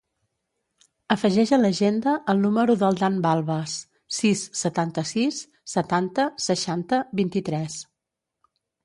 Afegeix a l'agenda el número del Dan Balbas: sis, setanta-sis, setanta, seixanta, vint-i-tres.